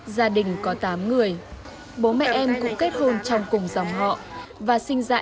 gia đình có tám người